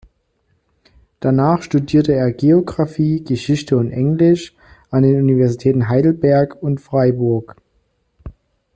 Danach studierte er Geographie, Geschichte und Englisch an den Universitäten Heidelberg und Freiburg.